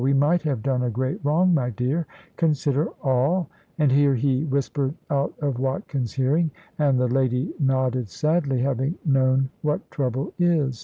We might have done a great wrong, my dear. Consider all" and here he whispered out of Watkin's hearing, and the lady nodded sadly, having known what trouble is.